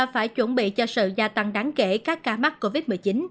phải chuẩn bị cho sự gia tăng đáng kể các ca mắc covid một mươi chín